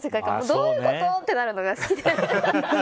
どういうこと？ってなるのが好きです。